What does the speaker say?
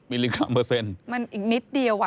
มิลลิกรัมเปอร์เซ็นต์มันอีกนิดเดียวอ่ะ